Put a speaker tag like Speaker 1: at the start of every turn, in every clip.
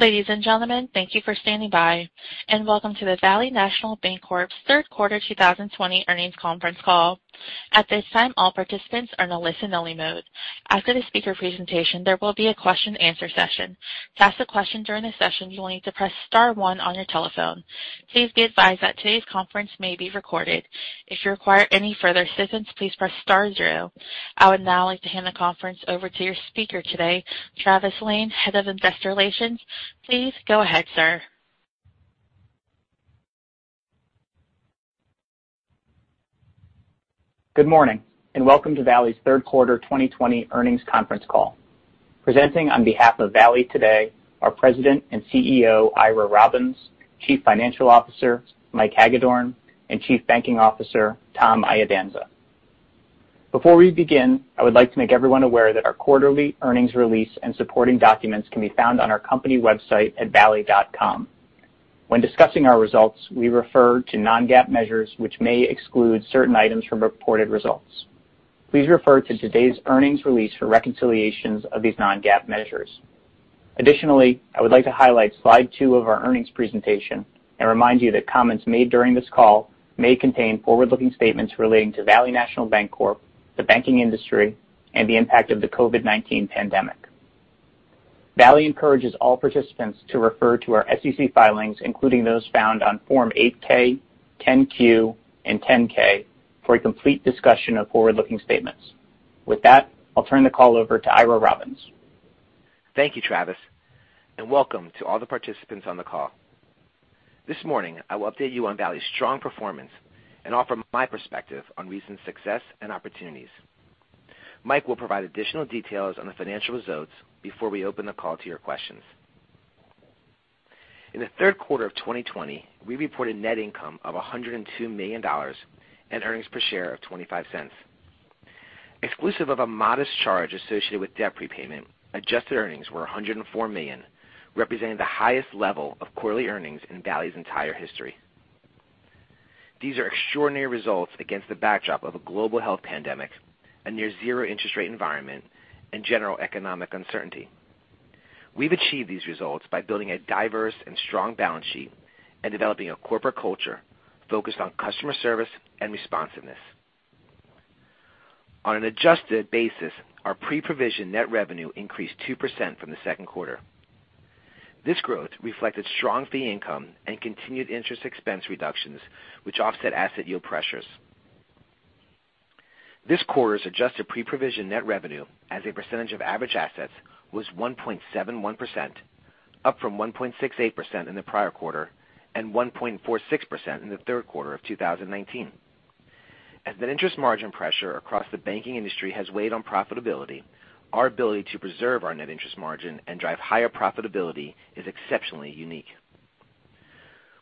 Speaker 1: Ladies and gentlemen, thank you for standing by and welcome to the Valley National Bancorp's third quarter 2020 earnings conference call. At this time, all particiants are now in a listen-only mode. After the speaker presentation there will be a question-and-answer session. To ask a question during the session you'll need to press star one on your telephone. Please advised that today's conference are being recorded. If you're require any further assisntance please press star and two. I would now like to hand the conference over to your speaker today, Travis Lan, head of investor relations. Please go ahead, sir.
Speaker 2: Good morning and welcome to Valley's third quarter 2020 earnings conference call. Presenting on behalf of Valley today, our President and CEO, Ira Robbins, Chief Financial Officer, Mike Hagedorn, and Chief Banking Officer, Tom Iadanza. Before we begin, I would like to make everyone aware that our quarterly earnings release and supporting documents can be found on our company website at valley.com. When discussing our results, we refer to non-GAAP measures which may exclude certain items from reported results. Please refer to today's earnings release for reconciliations of these non-GAAP measures. Additionally, I would like to highlight slide two of our earnings presentation and remind you that comments made during this call may contain forward-looking statements relating to Valley National Bancorp, the banking industry, and the impact of the COVID-19 pandemic. Valley encourages all participants to refer to our SEC filings, including those found on Form 8-K, 10-Q, and 10-K, for a complete discussion of forward-looking statements. With that, I'll turn the call over to Ira Robbins.
Speaker 3: Thank you, Travis, and welcome to all the participants on the call. This morning, I will update you on Valley's strong performance and offer my perspective on recent success and opportunities. Mike will provide additional details on the financial results before we open the call to your questions. In the third quarter of 2020, we reported net income of $102 million and earnings per share of $0.25. Exclusive of a modest charge associated with debt prepayment, adjusted earnings were $104 million, representing the highest level of quarterly earnings in Valley's entire history. These are extraordinary results against the backdrop of a global health pandemic, a near zero interest rate environment, and general economic uncertainty. We've achieved these results by building a diverse and strong balance sheet and developing a corporate culture focused on customer service and responsiveness. On an adjusted basis, our pre-provision net revenue increased 2% from the second quarter. This growth reflected strong fee income and continued interest expense reductions, which offset asset yield pressures. This quarter's adjusted pre-provision net revenue as a percentage of average assets was 1.71%, up from 1.68% in the prior quarter and 1.46% in the third quarter of 2019. As the interest margin pressure across the banking industry has weighed on profitability, our ability to preserve our net interest margin and drive higher profitability is exceptionally unique.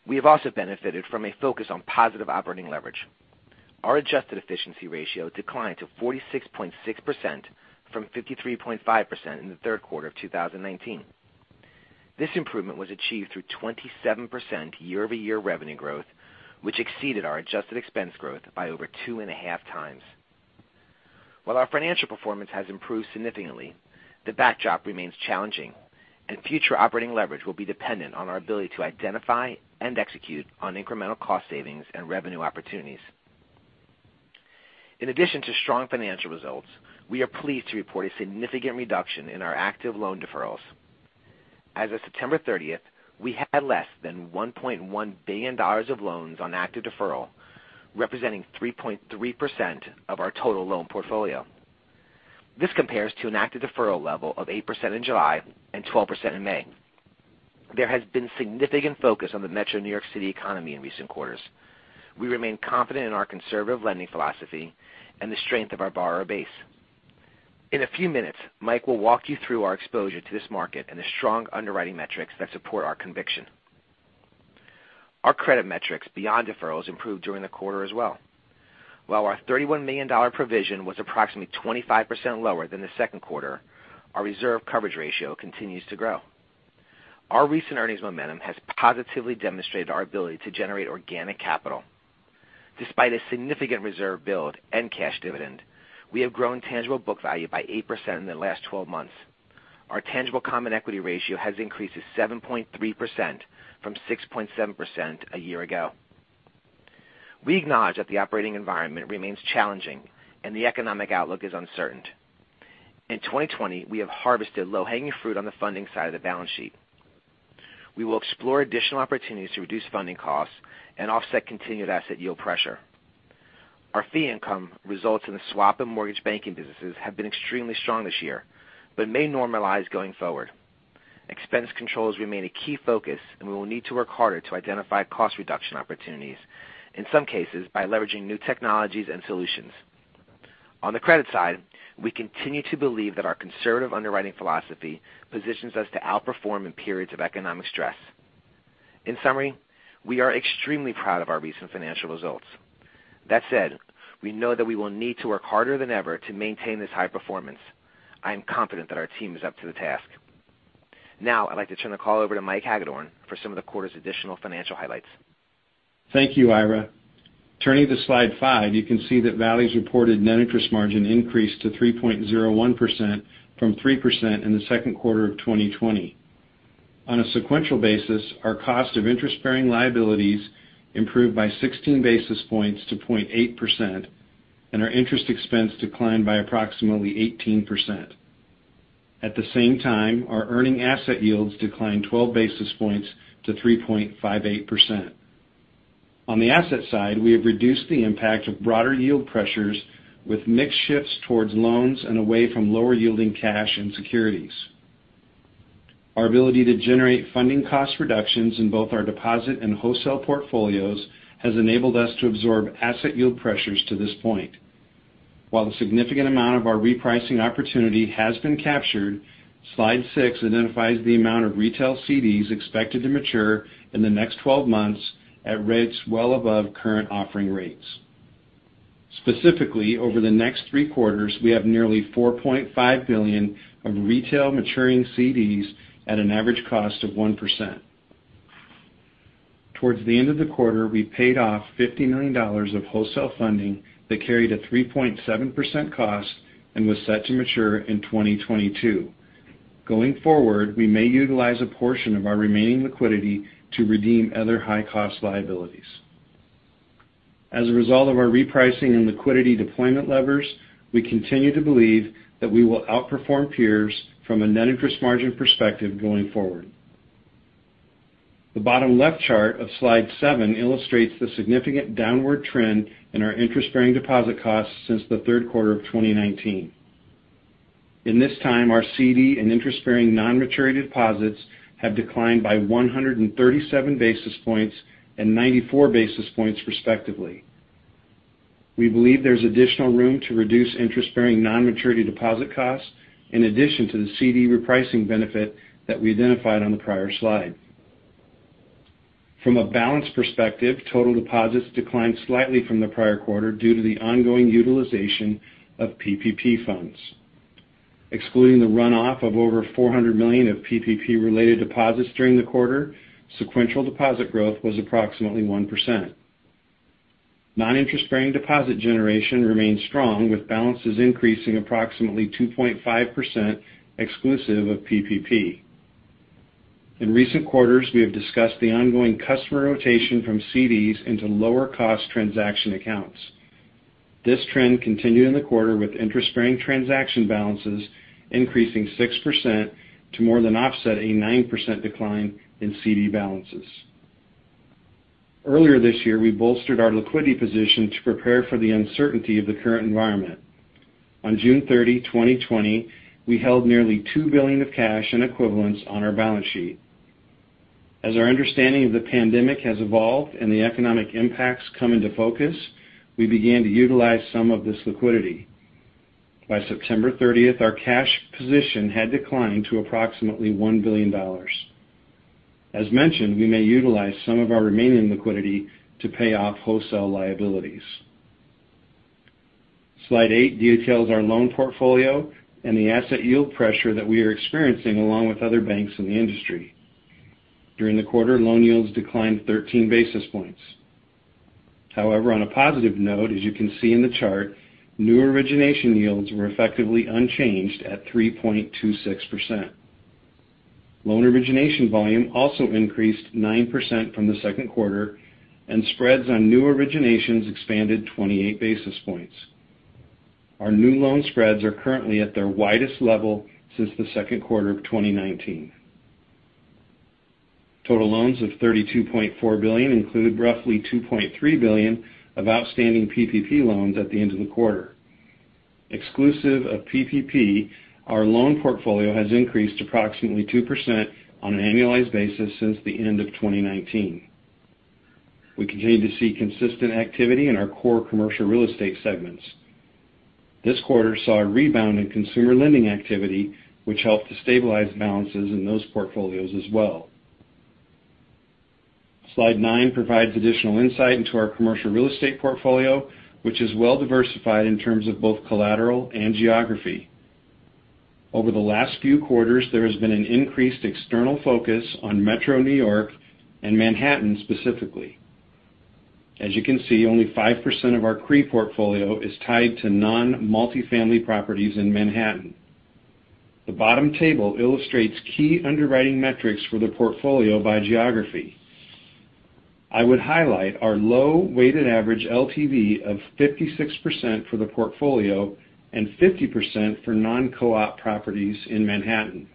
Speaker 3: We have also benefited from a focus on positive operating leverage. Our adjusted efficiency ratio declined to 46.6% from 53.5% in the third quarter of 2019. This improvement was achieved through 27% year-over-year revenue growth, which exceeded our adjusted expense growth by over 2.5x. While our financial performance has improved significantly, the backdrop remains challenging and future operating leverage will be dependent on our ability to identify and execute on incremental cost savings and revenue opportunities. In addition to strong financial results, we are pleased to report a significant reduction in our active loan deferrals. As of September 30th, we had less than $1.1 billion of loans on active deferral, representing 3.3% of our total loan portfolio. This compares to an active deferral level of 8% in July and 12% in May. There has been significant focus on the metro New York City economy in recent quarters. We remain confident in our conservative lending philosophy and the strength of our borrower base. In a few minutes, Mike will walk you through our exposure to this market and the strong underwriting metrics that support our conviction. Our credit metrics beyond deferrals improved during the quarter as well. While our $31 million provision was approximately 25% lower than the second quarter, our reserve coverage ratio continues to grow. Our recent earnings momentum has positively demonstrated our ability to generate organic capital. Despite a significant reserve build and cash dividend, we have grown tangible book value by 8% in the last 12 months. Our tangible common equity ratio has increased to 7.3% from 6.7% a year ago. We acknowledge that the operating environment remains challenging and the economic outlook is uncertain. In 2020, we have harvested low-hanging fruit on the funding side of the balance sheet. We will explore additional opportunities to reduce funding costs and offset continued asset yield pressure. Our fee income results in the swap and mortgage banking businesses have been extremely strong this year, but may normalize going forward. Expense controls remain a key focus, and we will need to work harder to identify cost reduction opportunities, in some cases by leveraging new technologies and solutions. On the credit side, we continue to believe that our conservative underwriting philosophy positions us to outperform in periods of economic stress. In summary, we are extremely proud of our recent financial results. That said, we know that we will need to work harder than ever to maintain this high performance. I am confident that our team is up to the task. Now I'd like to turn the call over to Mike Hagedorn for some of the quarter's additional financial highlights.
Speaker 4: Thank you, Ira. Turning to slide five, you can see that Valley's reported net interest margin increased to 3.01% from 3% in the second quarter of 2020. On a sequential basis, our cost of interest-bearing liabilities improved by 16 basis points to 0.8%, and our interest expense declined by approximately 18%. At the same time, our earning asset yields declined 12 basis points to 3.58%. On the asset side, we have reduced the impact of broader yield pressures with mix shifts towards loans and away from lower yielding cash and securities. Our ability to generate funding cost reductions in both our deposit and wholesale portfolios has enabled us to absorb asset yield pressures to this point. While the significant amount of our repricing opportunity has been captured, slide six identifies the amount of retail CDs expected to mature in the next 12 months at rates well above current offering rates. Specifically, over the next three quarters, we have nearly $4.5 billion of retail maturing CDs at an average cost of 1%. Towards the end of the quarter, we paid off $59 of wholesale funding that carried a 3.7% cost and was set to mature in 2022. Going forward, we may utilize a portion of our remaining liquidity to redeem other high-cost liabilities. As a result of our repricing and liquidity deployment levers, we continue to believe that we will outperform peers from a net interest margin perspective going forward. The bottom left chart of slide seven illustrates the significant downward trend in our interest-bearing deposit costs since the third quarter of 2019. In this time, our CD and interest-bearing non-maturity deposits have declined by 137 basis points and 94 basis points respectively. We believe there's additional room to reduce interest-bearing non-maturity deposit costs in addition to the CD repricing benefit that we identified on the prior slide. From a balance perspective, total deposits declined slightly from the prior quarter due to the ongoing utilization of PPP funds. Excluding the runoff of over $400 million of PPP-related deposits during the quarter, sequential deposit growth was approximately 1%. Non-interest-bearing deposit generation remains strong, with balances increasing approximately 2.5% exclusive of PPP. In recent quarters, we have discussed the ongoing customer rotation from CDs into lower cost transaction accounts. This trend continued in the quarter with interest-bearing transaction balances increasing 6% to more than offset a 9% decline in CD balances. Earlier this year, we bolstered our liquidity position to prepare for the uncertainty of the current environment. On June 30, 2020, we held nearly $2 billion of cash and equivalents on our balance sheet. As our understanding of the pandemic has evolved and the economic impacts come into focus, we began to utilize some of this liquidity. By September 30, our cash position had declined to approximately $1 billion. As mentioned, we may utilize some of our remaining liquidity to pay off wholesale liabilities. Slide eight details our loan portfolio and the asset yield pressure that we are experiencing along with other banks in the industry. During the quarter, loan yields declined 13 basis points. However, on a positive note, as you can see in the chart, new origination yields were effectively unchanged at 3.26%. Loan origination volume also increased 9% from the second quarter, and spreads on new originations expanded 28 basis points. Our new loan spreads are currently at their widest level since the second quarter of 2019. Total loans of $32.4 billion include roughly $2.3 billion of outstanding PPP loans at the end of the quarter. Exclusive of PPP, our loan portfolio has increased approximately 2% on an annualized basis since the end of 2019. We continue to see consistent activity in our core commercial real estate segments. This quarter saw a rebound in consumer lending activity, which helped to stabilize balances in those portfolios as well. Slide nine provides additional insight into our CRE portfolio, which is well diversified in terms of both collateral and geography. Over the last few quarters, there has been an increased external focus on Metro New York and Manhattan specifically. As you can see, only 5% of our CRE portfolio is tied to non-multifamily properties in Manhattan. The bottom table illustrates key underwriting metrics for the portfolio by geography. I would highlight our low weighted average LTV of 56% for the portfolio and 50% for non-co-op properties in Manhattan.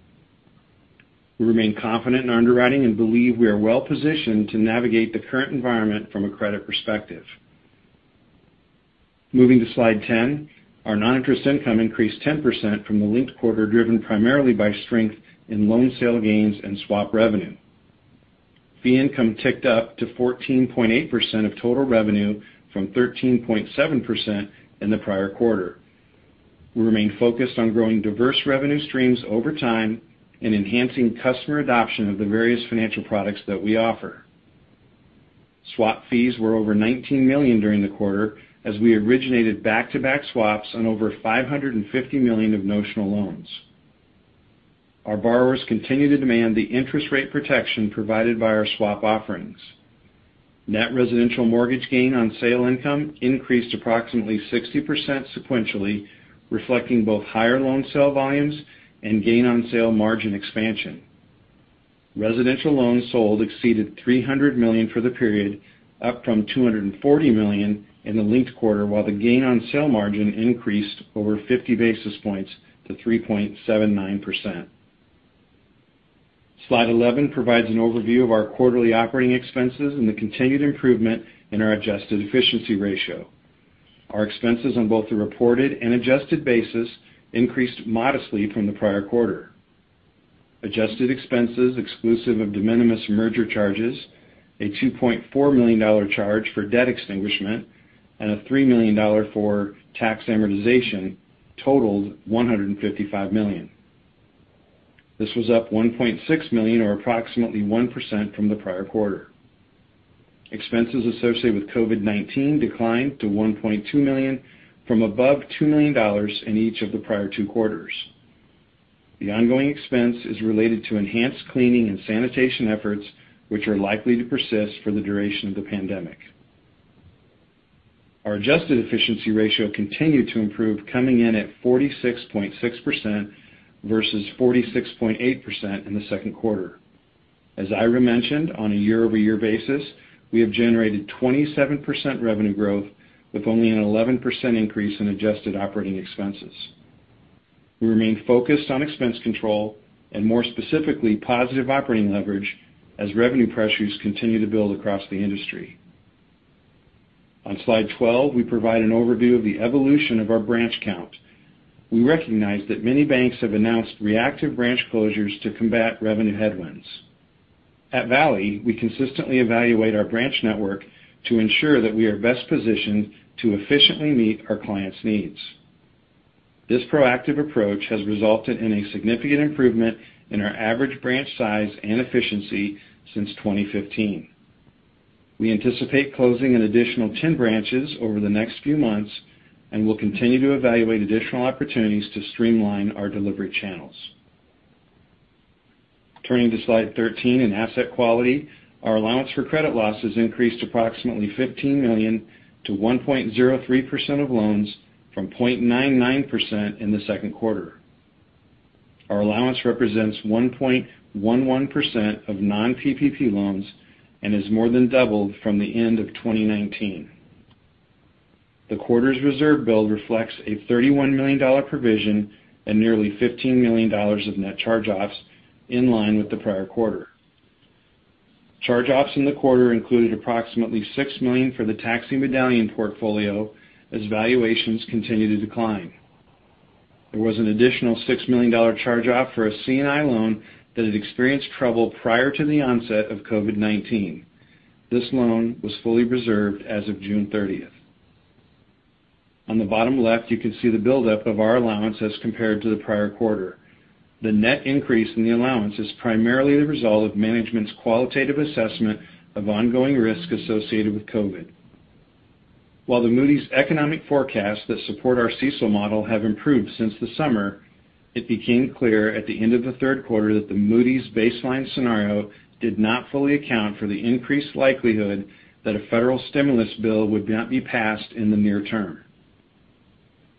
Speaker 4: We remain confident in underwriting and believe we are well positioned to navigate the current environment from a credit perspective. Moving to slide 10, our non-interest income increased 10% from the linked quarter, driven primarily by strength in loan sale gains and swap revenue. Fee income ticked up to 14.8% of total revenue from 13.7% in the prior quarter. We remain focused on growing diverse revenue streams over time and enhancing customer adoption of the various financial products that we offer. Swap fees were over $19 million during the quarter, as we originated back-to-back swaps on over $550 million of notional loans. Our borrowers continue to demand the interest rate protection provided by our swap offerings. Net residential mortgage gain on sale income increased approximately 60% sequentially, reflecting both higher loan sale volumes and gain on sale margin expansion. Residential loans sold exceeded $300 million for the period, up from $240 million in the linked quarter, while the gain on sale margin increased over 50 basis points to 3.79%. Slide 11 provides an overview of our quarterly operating expenses and the continued improvement in our adjusted efficiency ratio. Our expenses on both the reported and adjusted basis increased modestly from the prior quarter. Adjusted expenses exclusive of de minimis merger charges, a $2.4 million charge for debt extinguishment, and a $3 million for tax amortization totaled $155 million. This was up $1.6 million or approximately 1% from the prior quarter. Expenses associated with COVID-19 declined to $1.2 million from above $2 million in each of the prior two quarters. The ongoing expense is related to enhanced cleaning and sanitation efforts, which are likely to persist for the duration of the pandemic. Our adjusted efficiency ratio continued to improve, coming in at 46.6% versus 46.8% in the second quarter. As Ira mentioned, on a year-over-year basis, we have generated 27% revenue growth with only an 11% increase in adjusted operating expenses. We remain focused on expense control and more specifically, positive operating leverage as revenue pressures continue to build across the industry. On Slide 12, we provide an overview of the evolution of our branch count. We recognize that many banks have announced reactive branch closures to combat revenue headwinds. At Valley, we consistently evaluate our branch network to ensure that we are best positioned to efficiently meet our clients' needs. This proactive approach has resulted in a significant improvement in our average branch size and efficiency since 2015. We anticipate closing an additional 10 branches over the next few months and will continue to evaluate additional opportunities to streamline our delivery channels. Turning to Slide 13 in asset quality, our allowance for credit losses increased approximately $15 million to 1.03% of loans from 0.99% in the second quarter. Our allowance represents 1.11% of non-PPP loans and has more than doubled from the end of 2019. The quarter's reserve build reflects a $31 million provision and nearly $15 million of net charge-offs in line with the prior quarter. Charge-offs in the quarter included approximately $6 million for the taxi medallion portfolio as valuations continue to decline. There was an additional $6 million charge-off for a C&I loan that had experienced trouble prior to the onset of COVID-19. This loan was fully reserved as of June 30th. On the bottom left, you can see the buildup of our allowance as compared to the prior quarter. The net increase in the allowance is primarily the result of management's qualitative assessment of ongoing risk associated with COVID-19. While the Moody's economic forecast that support our CECL model have improved since the summer, it became clear at the end of the third quarter that the Moody's baseline scenario did not fully account for the increased likelihood that a federal stimulus bill would not be passed in the near term.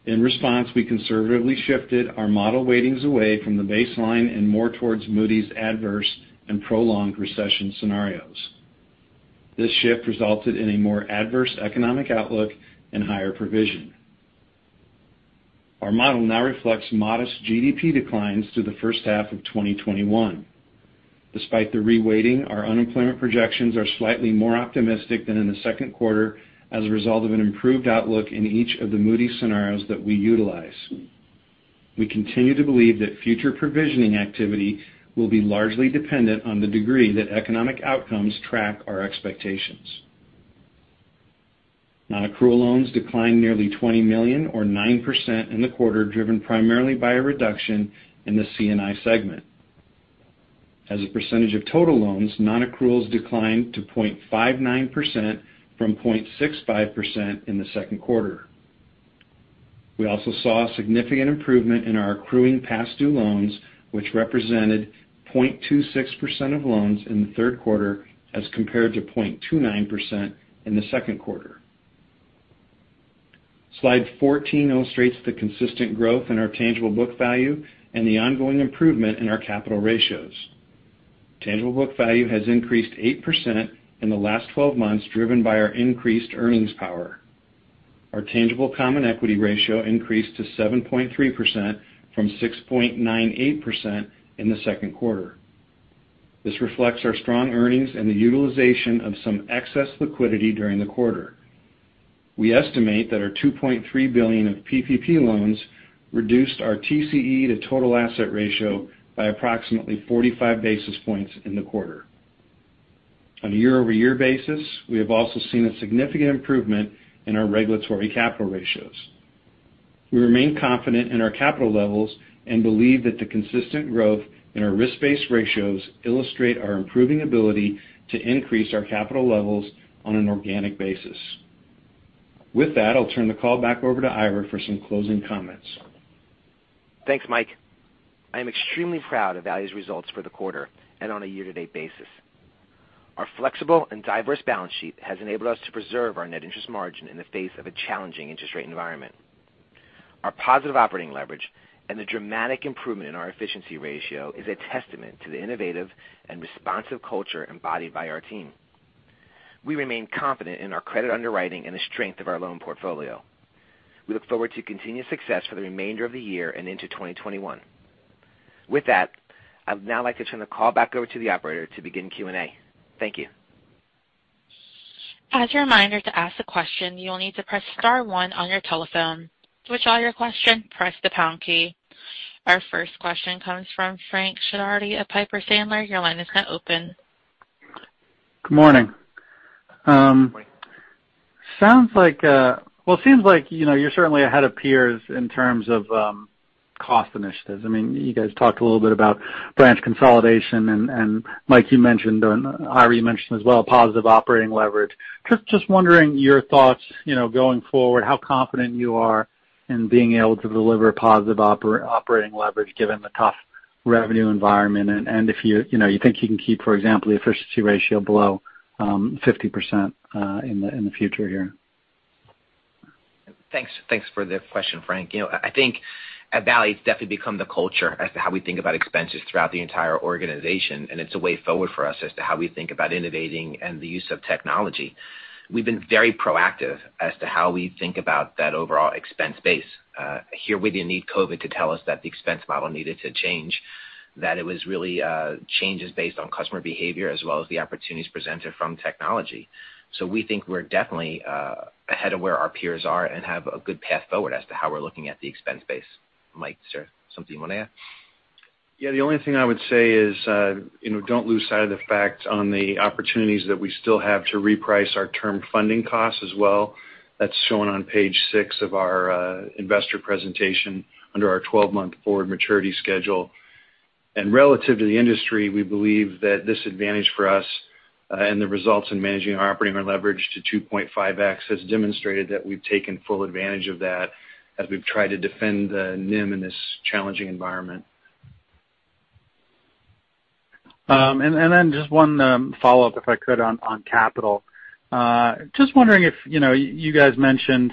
Speaker 4: In response, we conservatively shifted our model weightings away from the baseline and more towards Moody's adverse and prolonged recession scenarios. This shift resulted in a more adverse economic outlook and higher provision. Our model now reflects modest GDP declines through the first half of 2021. Despite the reweighting, our unemployment projections are slightly more optimistic than in the second quarter as a result of an improved outlook in each of the Moody's scenarios that we utilize. We continue to believe that future provisioning activity will be largely dependent on the degree that economic outcomes track our expectations. Non-accrual loans declined nearly $20 million or 9% in the quarter, driven primarily by a reduction in the C&I segment. As a percentage of total loans, non-accruals declined to 0.59% from 0.65% in the second quarter. We also saw a significant improvement in our accruing past due loans, which represented 0.26% of loans in the third quarter as compared to 0.29% in the second quarter. Slide 14 illustrates the consistent growth in our tangible book value and the ongoing improvement in our capital ratios. Tangible book value has increased 8% in the last 12 months, driven by our increased earnings power. Our tangible common equity ratio increased to 7.3% from 6.98% in the second quarter. This reflects our strong earnings and the utilization of some excess liquidity during the quarter. We estimate that our $2.3 billion of PPP loans reduced our TCE to total asset ratio by approximately 45 basis points in the quarter. On a year-over-year basis, we have also seen a significant improvement in our regulatory capital ratios. We remain confident in our capital levels and believe that the consistent growth in our risk-based ratios illustrate our improving ability to increase our capital levels on an organic basis. With that, I'll turn the call back over to Ira for some closing comments.
Speaker 3: Thanks, Mike. I am extremely proud of Valley's results for the quarter and on a year-to-date basis. Our flexible and diverse balance sheet has enabled us to preserve our net interest margin in the face of a challenging interest rate environment. Our positive operating leverage and the dramatic improvement in our efficiency ratio is a testament to the innovative and responsive culture embodied by our team. We remain confident in our credit underwriting and the strength of our loan portfolio. We look forward to continued success for the remainder of the year and into 2021. With that, I would now like to turn the call back over to the operator to begin Q&A. Thank you.
Speaker 1: As a reminder, to ask a question, you will need to press star one on your telephone. To withdraw your question, press the pound key. Our first question comes from Frank Schiraldi at Piper Sandler. Your line is now open.
Speaker 5: Good morning.
Speaker 3: Good morning.
Speaker 5: Well, it seems like you're certainly ahead of peers in terms of cost initiatives. You guys talked a little bit about branch consolidation and, Mike, you mentioned, and Ira, you mentioned as well, positive operating leverage. Just wondering your thoughts going forward, how confident you are in being able to deliver positive operating leverage given the tough revenue environment and if you think you can keep, for example, the efficiency ratio below 50% in the future here.
Speaker 3: Thanks for the question, Frank. I think at Valley, it's definitely become the culture as to how we think about expenses throughout the entire organization, and it's a way forward for us as to how we think about innovating and the use of technology. We've been very proactive as to how we think about that overall expense base. Here, we didn't need COVID-19 to tell us that the expense model needed to change, that it was really changes based on customer behavior as well as the opportunities presented from technology. We think we're definitely ahead of where our peers are and have a good path forward as to how we're looking at the expense base. Mike, is there something you want to add?
Speaker 4: The only thing I would say is don't lose sight of the fact on the opportunities that we still have to reprice our term funding costs as well. That's shown on page six of our investor presentation under our 12-month forward maturity schedule. Relative to the industry, we believe that this advantage for us and the results in managing our operating leverage to 2.5x has demonstrated that we've taken full advantage of that as we've tried to defend NIM in this challenging environment.
Speaker 5: Just one follow-up, if I could, on capital. Wondering if you guys mentioned,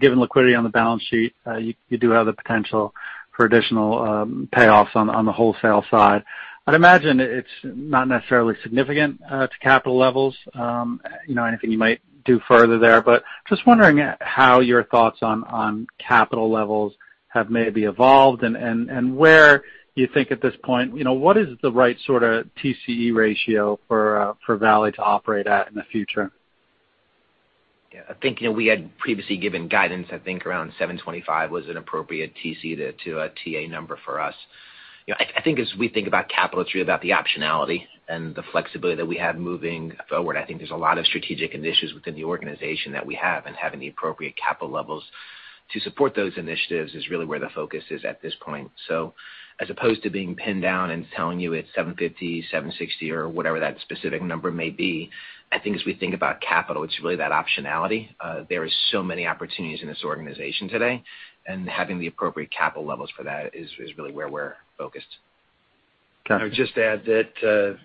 Speaker 5: given liquidity on the balance sheet, you do have the potential for additional payoffs on the wholesale side. I'd imagine it's not necessarily significant to capital levels, anything you might do further there, but just wondering how your thoughts on capital levels have maybe evolved and where you think at this point, what is the right sort of TCE ratio for Valley to operate at in the future?
Speaker 3: Yeah, I think we had previously given guidance around 725 was an appropriate TCE to a TA number for us. I think as we think about capital, it's really about the optionality and the flexibility that we have moving forward. I think there's a lot of strategic initiatives within the organization that we have, and having the appropriate capital levels to support those initiatives is really where the focus is at this point. As opposed to being pinned down and telling you it's 750, 760, or whatever that specific number may be, I think as we think about capital, it's really that optionality. There are so many opportunities in this organization today, and having the appropriate capital levels for that is really where we're focused.
Speaker 5: Okay.
Speaker 4: I would just add that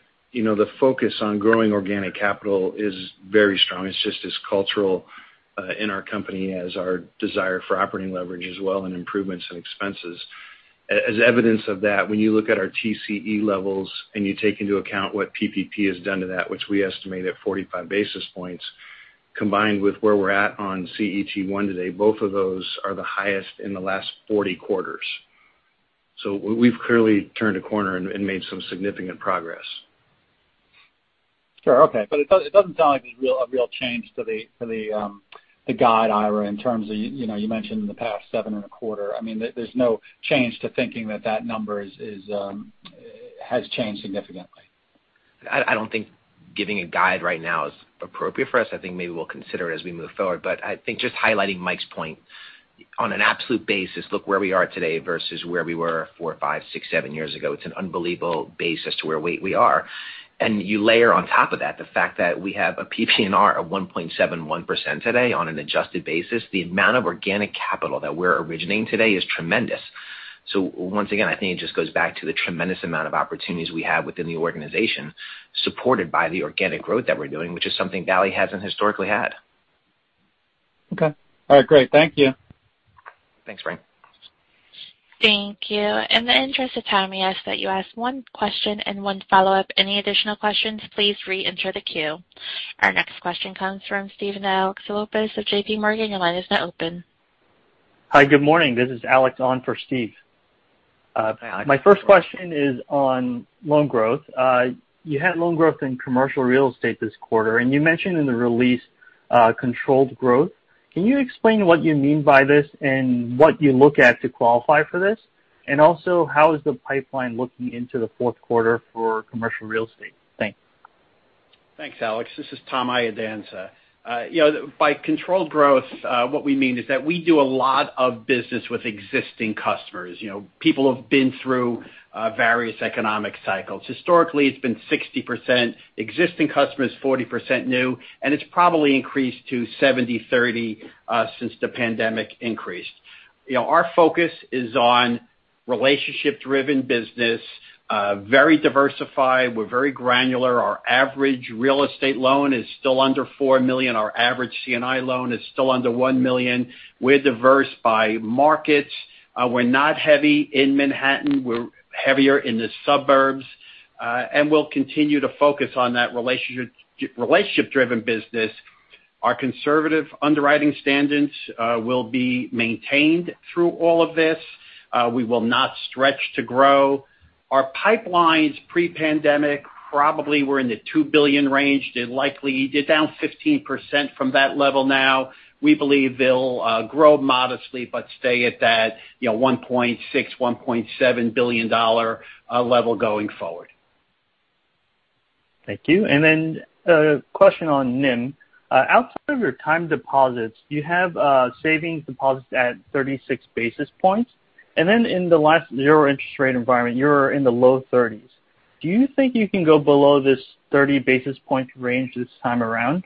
Speaker 4: the focus on growing organic capital is very strong. It's just as cultural in our company as our desire for operating leverage as well and improvements in expenses. As evidence of that, when you look at our TCE levels and you take into account what PPP has done to that, which we estimate at 45 basis points, combined with where we're at on CET1 today, both of those are the highest in the last 40 quarters. We've clearly turned a corner and made some significant progress.
Speaker 5: Sure. Okay. It doesn't sound like there's a real change to the guide, Ira, in terms of, you mentioned the past seven and a quarter. There's no change to thinking that that number has changed significantly.
Speaker 3: I don't think giving a guide right now is appropriate for us. I think maybe we'll consider it as we move forward. I think just highlighting Mike's point, on an absolute basis, look where we are today versus where we were four, five, six, seven years ago. It's an unbelievable base as to where we are. You layer on top of that the fact that we have a PPNR of 1.71% today on an adjusted basis. The amount of organic capital that we're originating today is tremendous. Once again, I think it just goes back to the tremendous amount of opportunities we have within the organization, supported by the organic growth that we're doing, which is something Valley hasn't historically had.
Speaker 5: Okay. All right, great. Thank you.
Speaker 3: Thanks, Frank.
Speaker 1: Thank you. In the interest of time, we ask that you ask one question and one follow-up. Any additional questions, please reenter the queue. Our next question comes from Steven Alexopoulos of JPMorgan. Your line is now open.
Speaker 6: Hi, good morning. This is Alex on for Steve.
Speaker 3: Hi.
Speaker 6: My first question is on loan growth. You had loan growth in commercial real estate this quarter, and you mentioned in the release controlled growth. Can you explain what you mean by this and what you look at to qualify for this? Also, how is the pipeline looking into the fourth quarter for commercial real estate? Thanks.
Speaker 7: Thanks, Alex. This is Tom Iadanza. By controlled growth, what we mean is that we do a lot of business with existing customers. People who have been through various economic cycles. Historically, it's been 60% existing customers, 40% new, and it's probably increased to 70/30 since the pandemic increased. Our focus is on. Relationship-driven business, very diversified. We're very granular. Our average real estate loan is still under $4 million. Our average C&I loan is still under $1 million. We're diverse by markets. We're not heavy in Manhattan. We're heavier in the suburbs. We'll continue to focus on that relationship-driven business. Our conservative underwriting standards will be maintained through all of this. We will not stretch to grow. Our pipelines pre-pandemic probably were in the $2 billion range. They're down 15% from that level now. We believe they'll grow modestly but stay at that $1.6, $1.7 billion level going forward.
Speaker 6: Thank you. A question on NIM. Outside of your time deposits, you have savings deposits at 36 basis points, in the last zero interest rate environment, you're in the low 30s. Do you think you can go below this 30 basis points range this time around?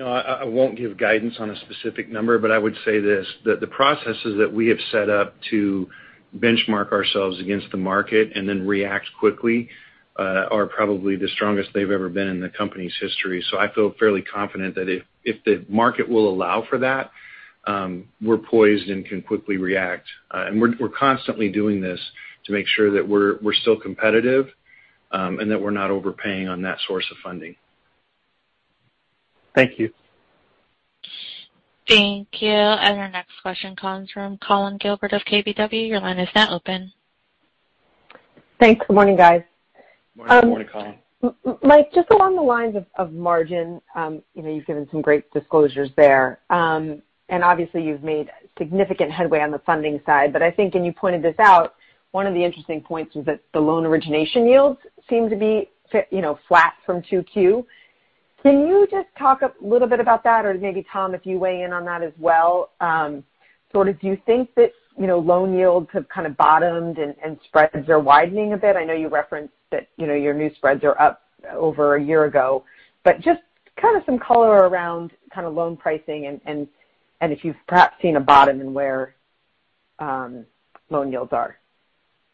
Speaker 4: I won't give guidance on a specific number, but I would say this, that the processes that we have set up to benchmark ourselves against the market and then react quickly are probably the strongest they've ever been in the company's history. I feel fairly confident that if the market will allow for that, we're poised and can quickly react. We're constantly doing this to make sure that we're still competitive and that we're not overpaying on that source of funding.
Speaker 6: Thank you.
Speaker 1: Thank you. Our next question comes from Collyn Gilbert of KBW. Your line is now open.
Speaker 8: Thanks. Good morning, guys.
Speaker 4: Morning.
Speaker 7: Morning, Collyn.
Speaker 8: Mike, just along the lines of margin, you've given some great disclosures there. Obviously, you've made significant headway on the funding side. I think, and you pointed this out, one of the interesting points is that the loan origination yields seem to be flat from 2Q. Can you just talk a little bit about that? Maybe, Tom, if you weigh in on that as well. Do you think that loan yields have kind of bottomed and spreads are widening a bit? I know you referenced that your new spreads are up over a year ago, but just kind of some color around kind of loan pricing and if you've perhaps seen a bottom in where loan yields are.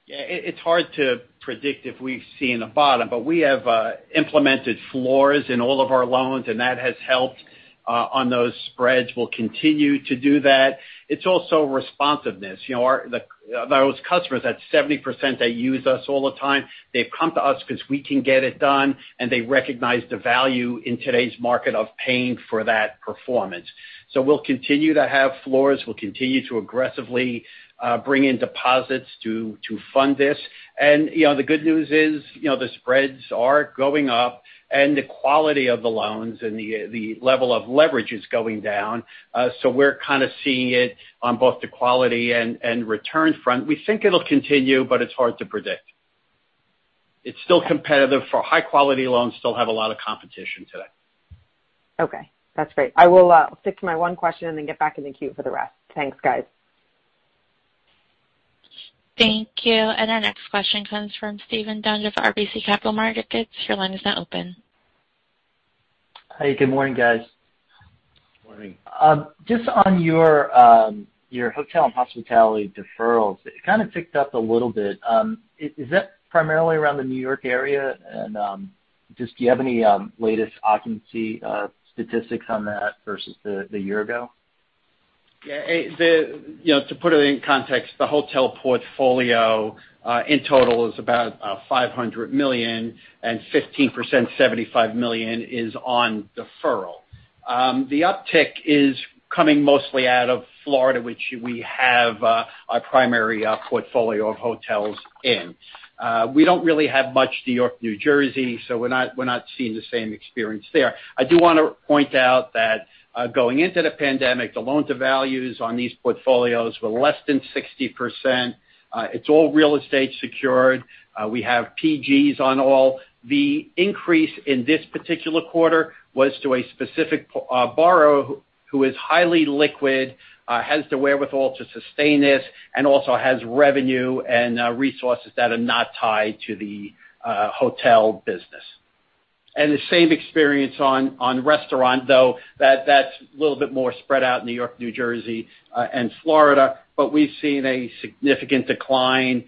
Speaker 7: It's hard to predict if we've seen a bottom, but we have implemented floors in all of our loans, and that has helped on those spreads. We'll continue to do that. It's also responsiveness. Those customers, that 70%, they use us all the time. They've come to us because we can get it done, and they recognize the value in today's market of paying for that performance. We'll continue to have floors. We'll continue to aggressively bring in deposits to fund this. The good news is the spreads are going up, and the quality of the loans and the level of leverage is going down. We're kind of seeing it on both the quality and return front. We think it'll continue, but it's hard to predict. It's still competitive for high-quality loans still have a lot of competition today.
Speaker 8: Okay, that's great. I will stick to my one question and then get back in the queue for the rest. Thanks, guys.
Speaker 1: Thank you. Our next question comes from Steven Duong of RBC Capital Markets. Your line is now open.
Speaker 9: Hey, good morning, guys.
Speaker 7: Morning.
Speaker 9: On your hotel and hospitality deferrals, it kind of ticked up a little bit. Is that primarily around the New York area? Just, do you have any latest occupancy statistics on that versus the year ago?
Speaker 7: Yeah. To put it in context, the hotel portfolio in total is about $500 million, and 15%, $75 million is on deferral. The uptick is coming mostly out of Florida, which we have our primary portfolio of hotels in. We don't really have much New York, New Jersey, so we're not seeing the same experience there. I do want to point out that going into the pandemic, the loan to values on these portfolios were less than 60%. It's all real estate secured. We have PGs on all. The increase in this particular quarter was to a specific borrower who is highly liquid, has the wherewithal to sustain this, and also has revenue and resources that are not tied to the hotel business. The same experience on restaurant, though that's a little bit more spread out in New York, New Jersey, and Florida. We've seen a significant decline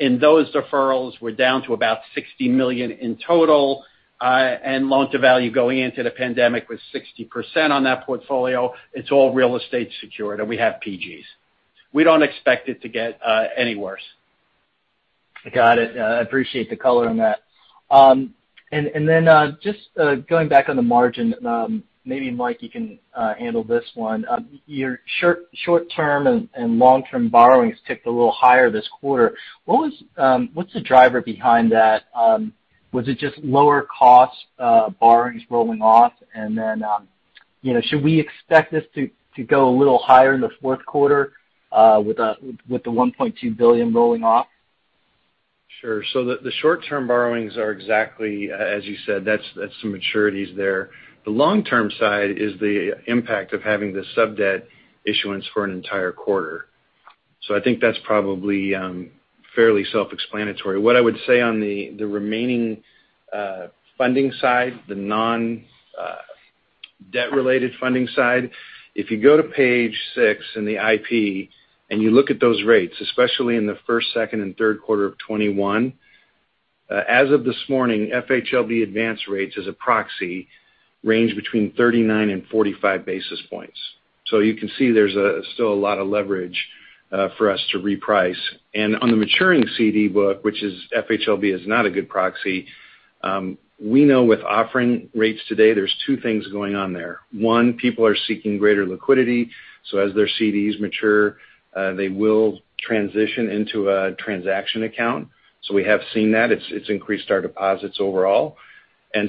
Speaker 7: in those deferrals. We're down to about $60 million in total, and loan to value going into the pandemic was 60% on that portfolio. It's all real estate secured, and we have PGs. We don't expect it to get any worse.
Speaker 9: Got it. I appreciate the color on that. Just going back on the margin, maybe Mike, you can handle this one. Your short-term and long-term borrowings ticked a little higher this quarter. What's the driver behind that? Was it just lower cost borrowings rolling off? Should we expect this to go a little higher in the fourth quarter with the $1.2 billion rolling off?
Speaker 4: Sure. The short-term borrowings are exactly as you said. That's some maturities there. The long-term side is the impact of having the sub-debt issuance for an entire quarter. I think that's probably fairly self-explanatory. What I would say on the remaining funding side, the non-Debt-related funding side. If you go to page six in the IP and you look at those rates, especially in the first, second, and third quarter of 2021, as of this morning, FHLB advance rates as a proxy range between 39 and 45 basis points. You can see there's still a lot of leverage for us to reprice. On the maturing CD book, which is FHLB, is not a good proxy. We know with offering rates today, there's two things going on there. One, people are seeking greater liquidity, so as their CDs mature, they will transition into a transaction account. We have seen that. It's increased our deposits overall.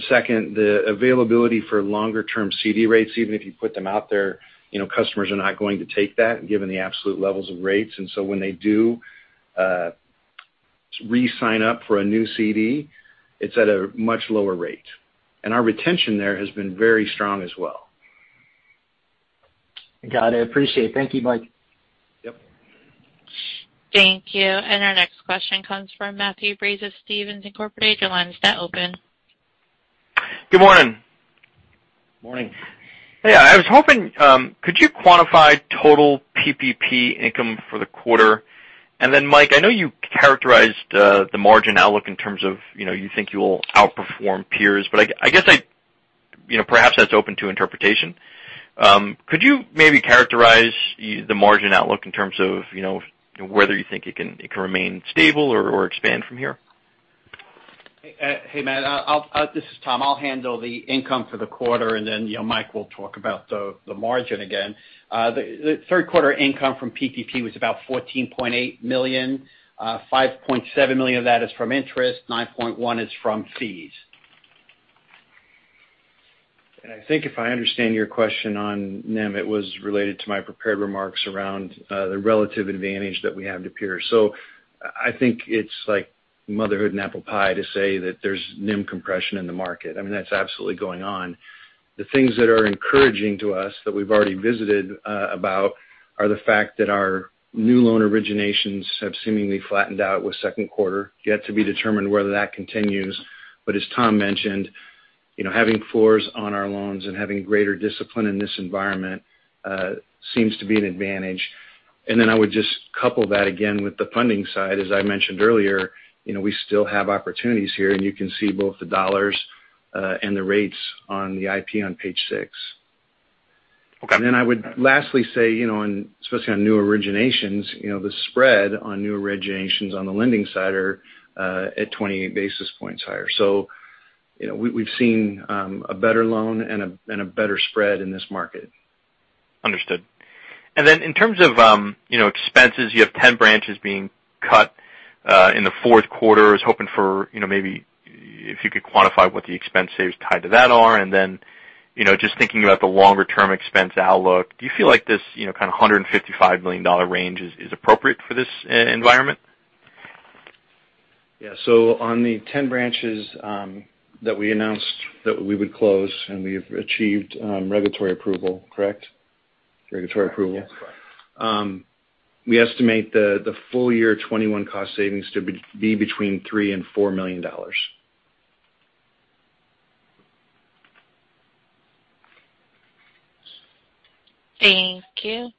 Speaker 4: Second, the availability for longer-term CD rates, even if you put them out there, customers are not going to take that given the absolute levels of rates. When they do re-sign up for a new CD, it's at a much lower rate. Our retention there has been very strong as well.
Speaker 9: Got it. Appreciate it. Thank you, Mike.
Speaker 4: Yep.
Speaker 1: Thank you. Our next question comes from Matthew Breese, Stephens Incorporated. Your line is now open.
Speaker 10: Good morning.
Speaker 3: Morning.
Speaker 10: Hey, I was hoping, could you quantify total PPP income for the quarter? Mike, I know you characterized the margin outlook in terms of you think you'll outperform peers, but I guess perhaps that's open to interpretation. Could you maybe characterize the margin outlook in terms of whether you think it can remain stable or expand from here?
Speaker 7: Hey, Matt, this is Tom. I'll handle the income for the quarter, and then Mike will talk about the margin again. The third quarter income from PPP was about $14.8 million. $5.7 million of that is from interest, $9.1 is from fees.
Speaker 4: I think if I understand your question on NIM, it was related to my prepared remarks around the relative advantage that we have to peers. I think it's like motherhood and apple pie to say that there's NIM compression in the market. I mean, that's absolutely going on. The things that are encouraging to us that we've already visited about are the fact that our new loan originations have seemingly flattened out with second quarter. Yet to be determined whether that continues. As Tom mentioned, having floors on our loans and having greater discipline in this environment seems to be an advantage. Then I would just couple that again with the funding side. As I mentioned earlier, we still have opportunities here, and you can see both the dollars and the rates on the IP on page six.
Speaker 10: Okay.
Speaker 4: I would lastly say, especially on new originations, the spread on new originations on the lending side are at 28 basis points higher. We've seen a better loan and a better spread in this market.
Speaker 10: Understood. In terms of expenses, you have 10 branches being cut in the fourth quarter. I was hoping for maybe if you could quantify what the expense saves tied to that are? Just thinking about the longer-term expense outlook, do you feel like this kind of $155 million range is appropriate for this environment?
Speaker 4: Yeah. On the 10 branches that we announced that we would close and we have achieved regulatory approval, correct? Regulatory approval.
Speaker 3: Yes, correct.
Speaker 4: We estimate the full year 2021 cost savings to be between $3 and $4 million.
Speaker 1: Thank you.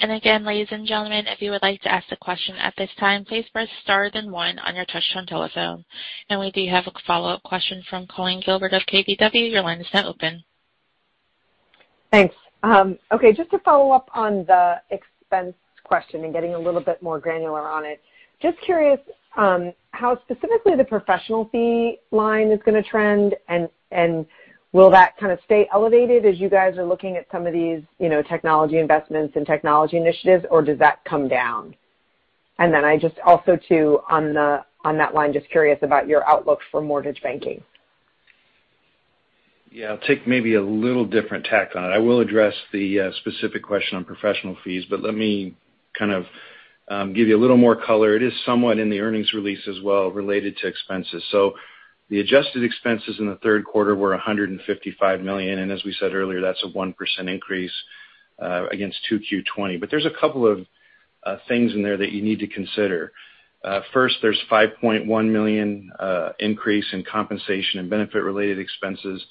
Speaker 1: Again, ladies and gentlemen, if you would like to ask a question at this time, please press star then one on your touchtone telephone. We do have a follow-up question from Collyn Gilbert of KBW. Your line is now open.
Speaker 8: Thanks. Okay. Just to follow up on the expense question and getting a little bit more granular on it. Just curious how specifically the professional fee line is going to trend. Will that kind of stay elevated as you guys are looking at some of these technology investments and technology initiatives, or does that come down? I just also too, on that line, just curious about your outlook for mortgage banking.
Speaker 4: Yeah. I'll take maybe a little different tack on it. I will address the specific question on professional fees, let me kind of give you a little more color. It is somewhat in the earnings release as well related to expenses. The adjusted expenses in the third quarter were $155 million, and as we said earlier, that's a 1% increase against Q2 2020. There's a couple of things in there that you need to consider. First, there's a $5.1 million increase in compensation and benefit-related expenses,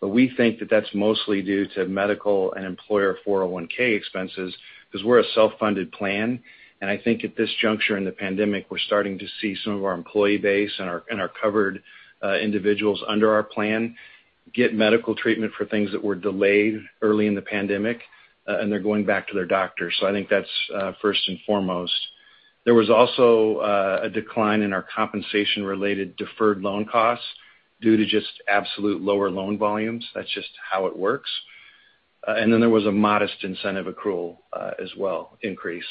Speaker 4: but we think that that's mostly due to medical and employer 401(k) expenses because we're a self-funded plan. I think at this juncture in the pandemic, we're starting to see some of our employee base and our covered individuals under our plan get medical treatment for things that were delayed early in the pandemic, and they're going back to their doctors. I think that's first and foremost. There was also a decline in our compensation-related deferred loan costs due to just absolute lower loan volumes. That's just how it works. Then there was a modest incentive accrual as well increase.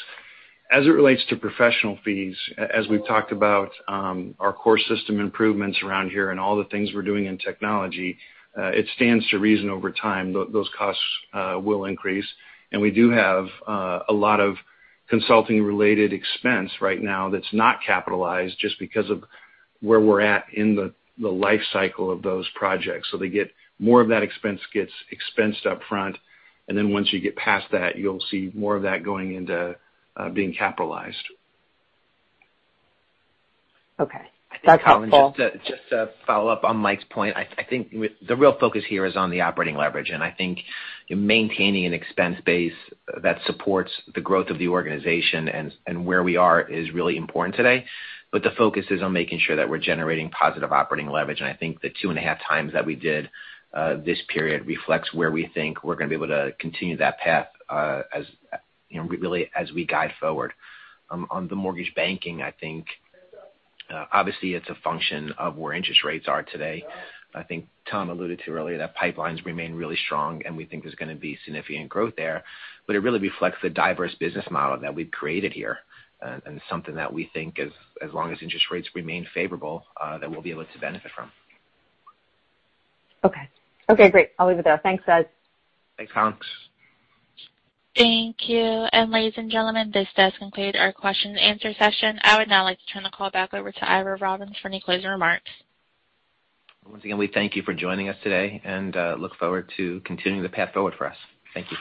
Speaker 4: As it relates to professional fees, as we've talked about our core system improvements around here and all the things we're doing in technology, it stands to reason over time, those costs will increase. We do have a lot of consulting-related expense right now that's not capitalized just because of where we're at in the life cycle of those projects. More of that expense gets expensed up front, and then once you get past that, you'll see more of that going into being capitalized.
Speaker 8: Okay. That's helpful.
Speaker 3: Collyn, just to follow up on Mike's point, I think the real focus here is on the operating leverage, and I think maintaining an expense base that supports the growth of the organization and where we are is really important today. The focus is on making sure that we're generating positive operating leverage, and I think the 2.5 times that we did this period reflects where we think we're going to be able to continue that path really as we guide forward. On the mortgage banking, I think obviously it's a function of where interest rates are today. I think Tom alluded to earlier that pipelines remain really strong, and we think there's going to be significant growth there. It really reflects the diverse business model that we've created here and something that we think as long as interest rates remain favorable, that we'll be able to benefit from.
Speaker 8: Okay. Okay, great. I'll leave it there. Thanks, guys.
Speaker 3: Thanks.
Speaker 1: Thank you. Ladies and gentlemen, this does conclude our question and answer session. I would now like to turn the call back over to Ira Robbins for any closing remarks.
Speaker 3: Once again, we thank you for joining us today and look forward to continuing the path forward for us. Thank you.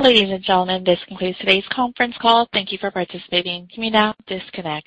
Speaker 1: Ladies and gentlemen, this concludes today's conference call. Thank you for participating. You may now disconnect.